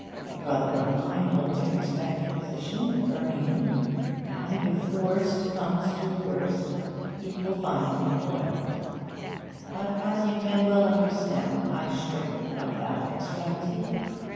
A brother of mine holds a respected position in Birmingham, and, if the worst comes to the worst, he will find me employment. But, as you can well understand, I shrink from that extremity.